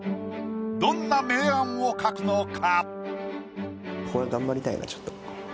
どんな明暗を描くのか？